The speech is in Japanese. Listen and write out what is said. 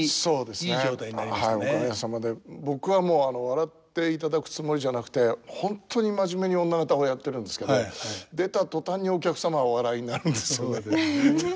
僕は笑っていただくつもりじゃなくて本当に真面目に女方をやってるんですけど出た途端にお客様がお笑いになるんですよね。